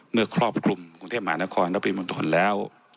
เมื่อครอบกลุ่มกรุงเทพหมานครนับริมทนแล้ว